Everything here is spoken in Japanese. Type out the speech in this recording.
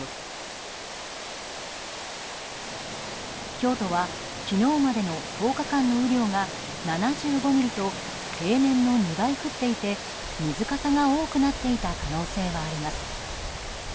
京都は昨日までの１０日間の雨量が７５ミリと平年の２倍降っていて水かさが多くなっていた可能性はあります。